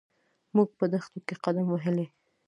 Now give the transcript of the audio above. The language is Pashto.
موږ په دښتو کې قدم وهلی.